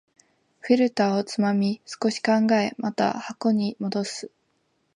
フィルターをつまみ、少し考え、また箱に戻す